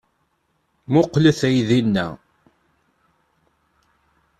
Mmuqqel aydi-inna.